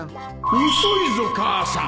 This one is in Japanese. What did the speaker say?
遅いぞ母さん！